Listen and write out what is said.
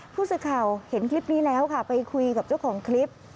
ผู้สื่อข่าวเห็นคลิปนี้แล้วค่ะไปคุยกับเจ้าของคลิป